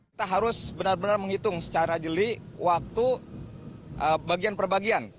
kita harus benar benar menghitung secara jeli waktu bagian perbagian